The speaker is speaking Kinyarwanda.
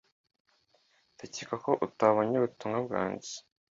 Ndakeka ko utabonye ubutumwa bwanjye